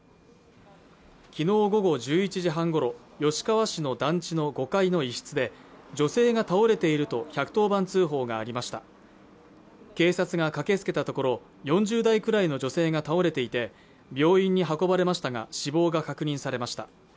昨日午後１１時半ごろ吉川市の団地の５階の一室で女性が倒れていると１１０番通報がありました警察が駆けつけたところ４０代くらいの女性が倒れていて病院に運ばれましたが死亡が確認されました